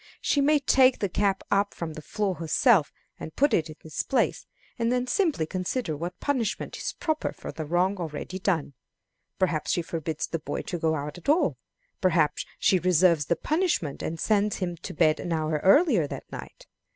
She may take the cap up from the floor herself and put it in its place, and then simply consider what punishment is proper for the wrong already done. Perhaps she forbids the boy to go out at all. Perhaps she reserves the punishment, and sends him to bed an hour earlier that night.